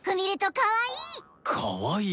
かわいいか？